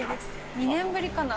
２年ぶりかな？